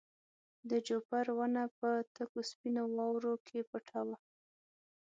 د جوپر ونه په تکو سپینو واورو کې پټه وه.